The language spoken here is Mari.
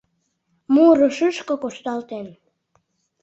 Муро, шӱшкӧ кушталтен